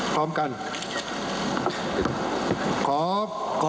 ขอขอพระองค์ของพระเจริญ